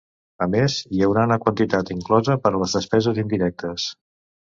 A més, hi ha una quantitat inclosa per a les despeses indirectes.